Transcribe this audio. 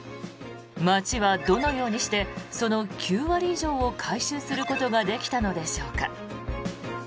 町はどのようにしてその９割以上を回収することができたのでしょうか。